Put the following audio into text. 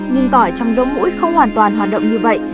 nhưng tỏi trong đỗ mũi không hoàn toàn hoạt động như vậy